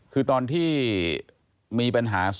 เผื่อเขายังไม่ได้งาน